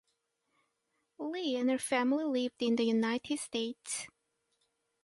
Li and her family lived in the United States.